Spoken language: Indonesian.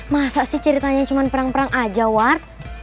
masa sih ceritanya cuma perang perang aja war